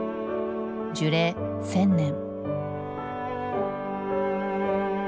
樹齢１，０００年。